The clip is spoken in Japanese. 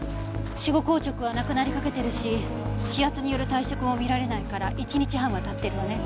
死後硬直はなくなりかけてるし指圧による退色も見られないから１日半は経ってるわね。